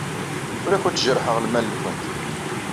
Ur awent-jerrḥeɣ lmal-nwent.